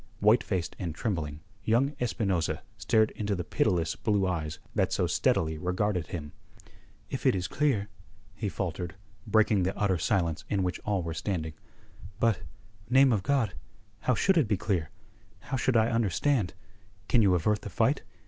White faced and trembling, young Espinosa stared into the pitiless blue eyes that so steadily regarded him. "If it is clear?" he faltered, breaking the utter silence in which all were standing. "But, name of God, how should it be clear? How should I understand? Can you avert the fight?